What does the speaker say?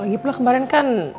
lagi pula kemarin kan